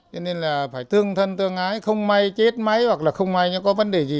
cho nên là phải tương thân tương ái không may chết máy hoặc là không may nó có vấn đề gì